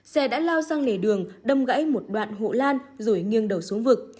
xe đã lao sang lề đường đâm gãy một đoạn hộ lan rồi nghiêng đầu xuống vực